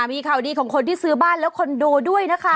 มีข่าวดีของคนที่ซื้อบ้านและคอนโดด้วยนะคะ